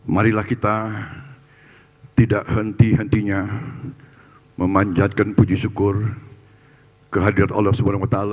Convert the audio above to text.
marilah kita tidak henti hentinya memanjatkan puji syukur kehadiran allah swt